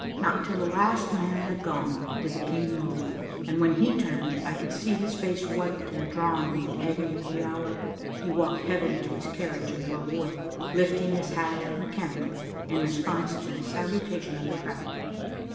Not till the last man had gone did the King move, and when he turned I could see his face white and drawn with the agony of the hour. He walked heavily to his carriage and drove away, lifting his hat mechanically in response to the salutation of the crowd.